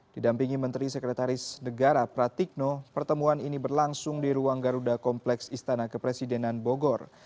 didampingi menteri sekretaris negara pratikno pertemuan ini berlangsung di ruang garuda kompleks istana kepresidenan bogor